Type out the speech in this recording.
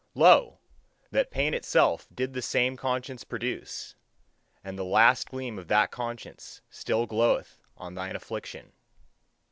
Lo, that pain itself did the same conscience produce; and the last gleam of that conscience still gloweth on thine affliction.